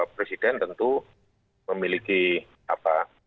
presiden tentu memiliki apa